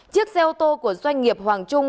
chiếc xe ô tô của doanh nghiệp hoàng trung